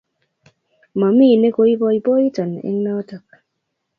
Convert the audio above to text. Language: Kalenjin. Mami nekoipoipoiton eng' chotok